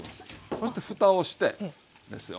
そして蓋をしてですよ